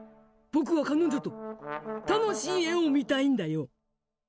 僕は彼女と楽しい絵を見たいんだよ。